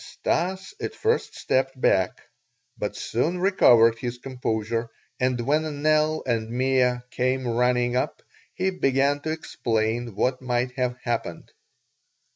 Stas at first stepped back, but soon recovered his composure, and when Nell with Mea came running up he began to explain what might have happened.